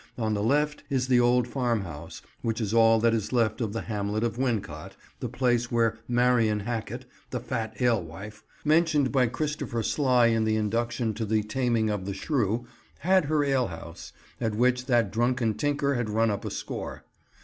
On the left is the old farm house which is all that is left of the hamlet of Wincot, the place where "Marian Hacket, the fat alewife," mentioned by Christopher Sly in the induction to the Taming of the Shrew, had her alehouse, at which that drunken tinker had run up a score.